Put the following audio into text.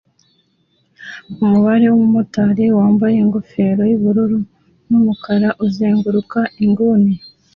Umubare wumumotari wambaye ingofero yubururu numukara uzenguruka inguni